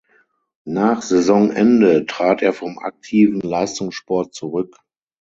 Nach Saisonende trat er vom aktiven Leistungssport zurück.